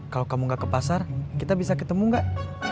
kalau kamu gak ke pasar kita bisa ketemu gak